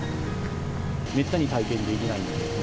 めったに体験できないんで。